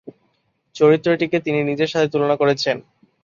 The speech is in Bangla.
চরিত্রটিকে তিনি নিজের সাথে তুলনা করেছেন।